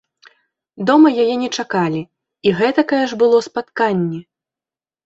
Дома яе не чакалі, і гэтакае ж было спатканне!